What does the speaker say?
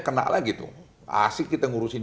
kena lagi tuh asik kita ngurusin